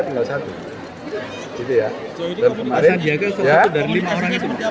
jadi ini kalau dikasih hadiah kan sebetulnya dari lima orang itu